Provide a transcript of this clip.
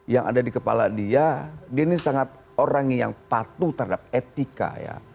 yang ada di kepala dia dia ini sangat orang yang patuh terhadap etika ya